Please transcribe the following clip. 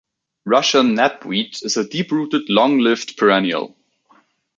Russian knapweed is a deep-rooted long-lived perennial.